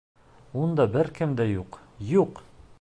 Унда бер кем дә юҡ, юҡ!